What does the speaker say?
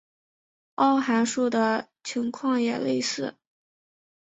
凹函数的情况也类似。